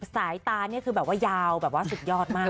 สายตานี่คือแบบว่ายาวแบบว่าสุดยอดมาก